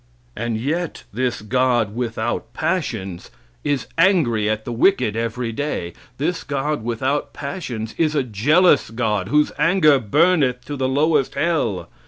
And yet this God, without passions, is angry at the wicked every day; this God, without passions, is a jealous God, whose anger burneth to the lowest hell.